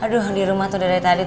aduh di rumah tuh udah dari tadi